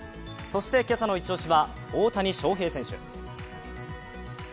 そして今朝のイチ押しは大谷翔平選手。